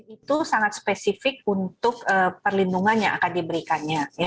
itu sangat spesifik untuk perlindungan yang akan diberikannya